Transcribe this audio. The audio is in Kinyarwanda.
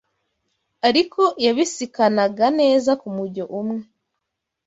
ariko yabisikanaga neza ku mujyo umwe